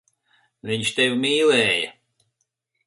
Viņš tevi mīlēja.